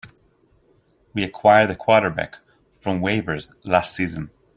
We acquired the quarterback from waivers last season.